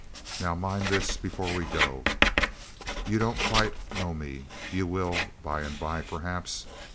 'Now mind this before we go: you don't quite know me; you will by and by, perhaps.